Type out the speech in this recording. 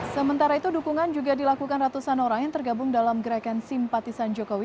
sementara itu dukungan juga dilakukan ratusan orang yang tergabung dalam gerakan simpatisan jokowi